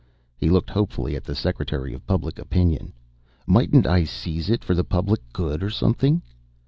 He looked hopefully at the Secretary of Public Opinion: "Mightn't I seize it for the public good or something?"